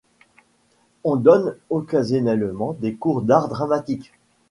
Il donne occasionnellement des cours d'art dramatique.